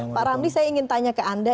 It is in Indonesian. pak ramli saya ingin tanya ke anda